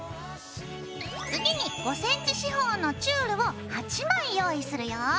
次に５ｃｍ四方のチュールを８枚用意するよ。